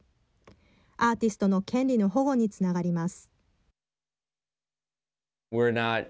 アーティストの権利の保護につながります。